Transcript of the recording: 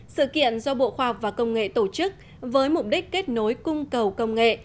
sự kiện do bộ khoa học và công nghệ tổ chức với mục đích kết nối cung cầu công nghệ